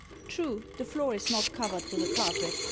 True, the floor is not covered with a carpet.